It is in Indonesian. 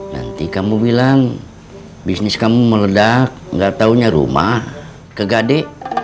nanti kamu bilang bisnis kamu meledak gak tahunya rumah kegade